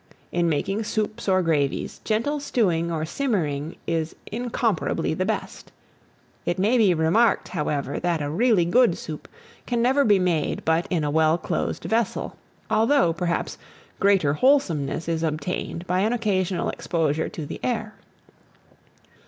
In making soups or gravies, gentle stewing or simmering is incomparably the best. It may be remarked, however, that a really good soup can never be made but in a well closed vessel, although, perhaps, greater wholesomeness is obtained by an occasional exposure to the air.